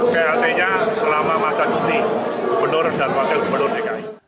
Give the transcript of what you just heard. plt nya selama masa cuti gubernur dan wakil gubernur dki